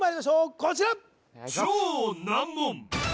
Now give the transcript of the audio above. こちら